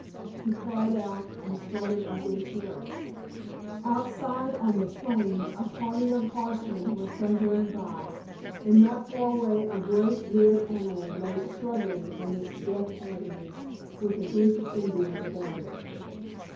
He cried out, and started up in terror. Outside on the plains a party of horsemen were thundering by, and not far away a great red animal lay struggling in its death agonies, with a group of Indians about it.